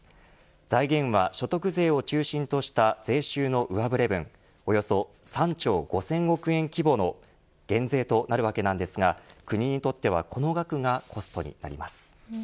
財源は所得税を中心とした税収の上振れ分およそ３兆５０００億円規模の減税となるわけなんですが国にとってはこの額がコストになります。